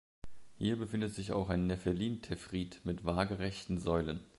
Hier befindet sich auch ein Nephelin-Tephrit mit waagerechten Säulen.